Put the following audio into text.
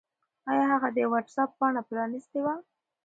آیا هغه د وټس-اپ پاڼه پرانستې وه؟